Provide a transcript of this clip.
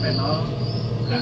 masih di tengah stasiun